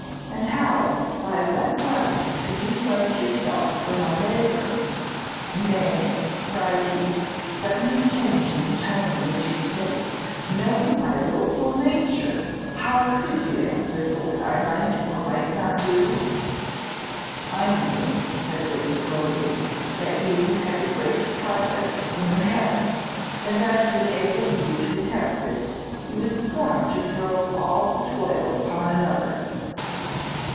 "And how by what right could you pledge yourself for my labor? Nay," cried he, suddenly changing the tone in which he spoke, "knowing my wilful nature, how could you answer for what I might or might not do?" "I knew," said Billy, slowly, "that you had a great project in your head, and that to enable you to attempt it, you would scorn to throw all the toil upon another."